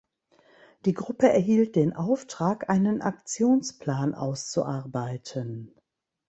Die Gruppe erhielt den Auftrag, einen Aktionsplan auszuarbeiten.